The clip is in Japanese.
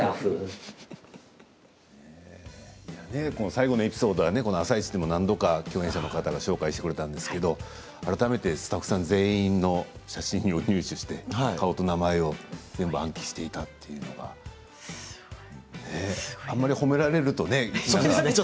最後のエピソードは「あさイチ」でも何度か共演の方が紹介してくださったんですがスタッフ全員の写真を入手して顔と名前を暗記していたというのはあんまり褒められるとね。